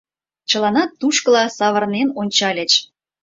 Чыланат тушкыла савырнен ончальыч.